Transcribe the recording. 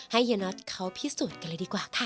เฮียน็อตเขาพิสูจน์กันเลยดีกว่าค่ะ